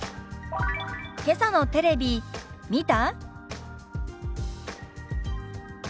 「けさのテレビ見た？」。